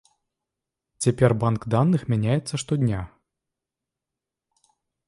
Цяпер банк даных мяняецца штодня.